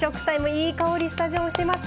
いい香りスタジオしてますが。